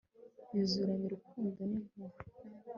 yuzuranye urukundo n'impuhwe